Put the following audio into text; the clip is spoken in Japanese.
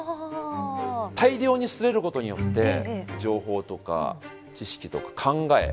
大量に刷れることによって情報とか知識とか考え。